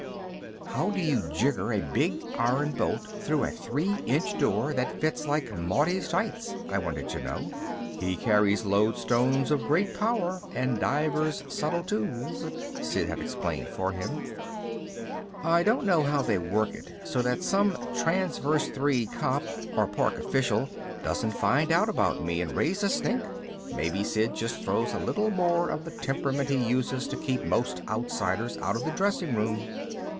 "How do you jigger a big iron bolt through a three inch door that fits like Maudie's tights?" I wanted to know. "He carries lodestones of great power and divers subtle tools," Sid had explained for him. I don't know how they work it so that some Traverse Three cop or park official doesn't find out about me and raise a stink. Maybe Sid just throws a little more of the temperament he uses to keep most outsiders out of the dressing room.